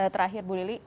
terakhir bu lili